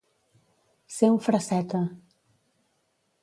Ser un fresseta.